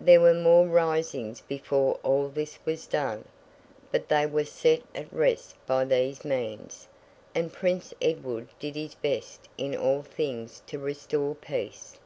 There were more risings before all this was done, but they were set at rest by these means, and Prince Edward did his best in all things to restore peace.